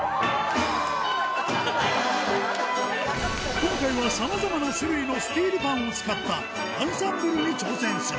今回はさまざまな種類のスティールパンを使った、アンサンブルに挑戦する。